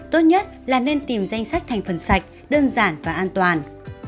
tốt nhất là nên tìm danh sách thành phần sạch đơn giản và an toàn